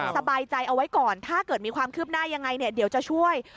สบายใจเอาไว้ก่อนถ้าเกิดมีความคืบหน้ายังไงเนี่ยเดี๋ยวจะช่วย